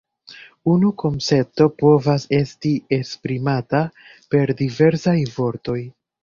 Unu koncepto povas esti esprimata per diversaj vortoj.